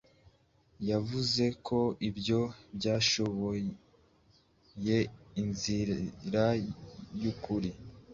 Yavuze ko ibyo byashoboyeInzira yinkuru